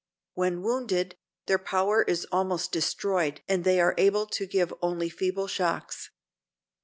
When wounded, their power is almost destroyed and they are able to give only feeble shocks.